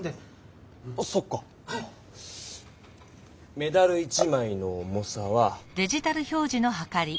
メダル１枚の重さは。